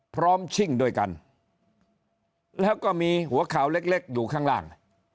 ชิ่งด้วยกันแล้วก็มีหัวข่าวเล็กอยู่ข้างล่าง